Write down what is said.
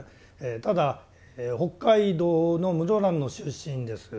ただ北海道の室蘭の出身です。